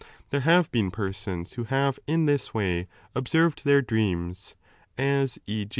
There liave been persons who have in this way observed their dreams, as e.